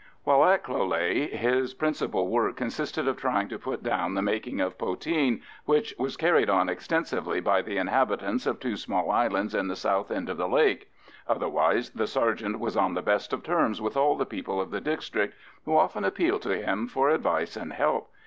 While at Cloghleagh his principal work consisted of trying to put down the making of poteen, which was carried on extensively by the inhabitants of two small islands at the south end of the lake; otherwise the sergeant was on the best of terms with all the people of the district, who often appealed to him for advice and help.